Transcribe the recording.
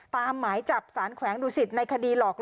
หมายจับสารแขวงดุสิตในคดีหลอกล